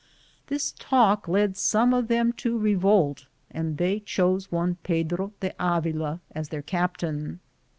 This talk led some of them to revolt, and they chose one Pedro de Avila as their captain.